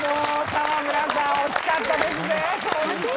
沢村さん惜しかったですね掃除機。